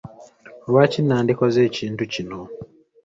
Lwaki nandikoze ekintu kino ?